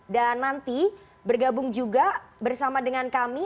dan nanti bergabung juga bersama dengan kami